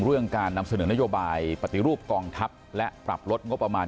เรื่องการนำเสนอนโยบายปฏิรูปกองทัพและปรับลดงบประมาณ